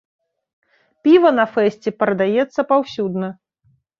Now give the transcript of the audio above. Піва на фэсце прадаецца паўсюдна.